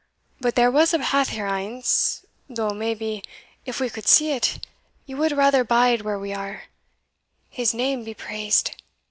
But there was a path here ance, though maybe, if we could see it, ye would rather bide where we are His name be praised!"